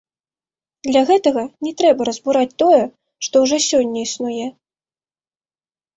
Для гэтага не трэба разбураць тое, што ўжо сёння існуе.